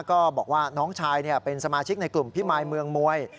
ก็บอกว่าน้องชายเป็นสมาชิกในกลุ่มพิมายเมืองมวย